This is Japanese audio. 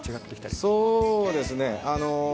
そうですね。